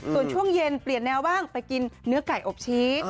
ส่วนช่วงเย็นเปลี่ยนแนวบ้างไปกินเนื้อไก่อบชีส